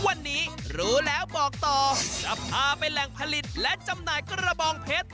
วันนี้รู้แล้วบอกต่อจะพาไปแหล่งผลิตและจำหน่ายกระบองเพชร